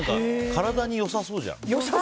体に良さそうじゃん。